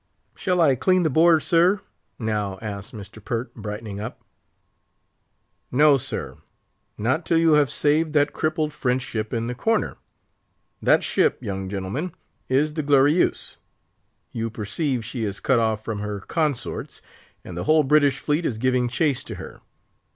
"Shall I clean the board, sir?" now asked Mr. Pert, brightening up. "No, sir; not till you have saved that crippled French ship in the corner. That ship, young gentlemen, is the Glorieuse: you perceive she is cut off from her consorts, and the whole British fleet is giving chase to her.